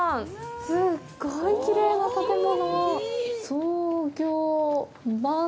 すっごいきれいな建物！